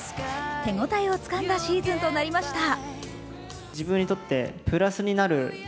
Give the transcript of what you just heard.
手応えをつかんだシーズンとなりました。